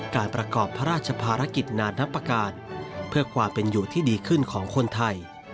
การประกอบพระราชภารกิจนานับประกาศเพื่อความเป็นอยู่ที่ดีขึ้นของคนไทย